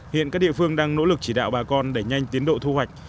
hiện các địa phương đang nỗ lực chỉ đạo bà con đẩy nhanh tiến độ thu hoạch